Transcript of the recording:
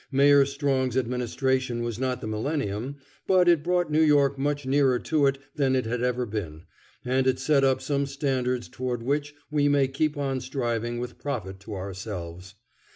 Mayor Strong's administration was not the millennium, but it brought New York much nearer to it than it had ever been, and it set up some standards toward which we may keep on striving with profit to ourselves.